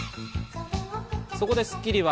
そこで『スッキリ』は